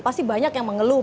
pasti banyak yang mengeluh